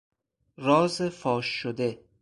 راز فاش شده